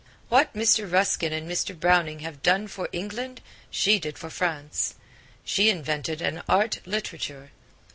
What Mr. Ruskin and Mr. Browning have done for England she did for France. She invented an art literature.